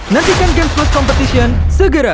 nantikan games plus competition segera